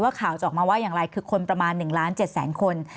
ข่าวจะออกมาว่าอย่างไรคือคนประมาณ๑ล้าน๗แสนคน